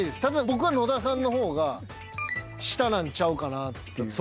ただ僕は野田さんの方が下なんちゃうかなって。